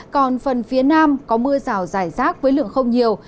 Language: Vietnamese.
còn phần phía nam có mưa rào dài rác với lượng không nhiều